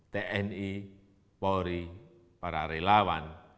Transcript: tni polri para relawan